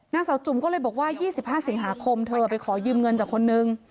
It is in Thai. นางสาวจุ๋มก็เลยบอกว่า๒๕สิงหาคมเธอไปขอยืมเงินจากคนนึง